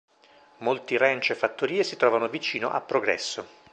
Molti ranch e fattorie si trovano vicino a Progresso.